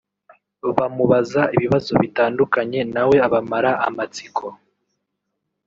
bamubaza ibibazo bitandukanye nawe abamara amatsiko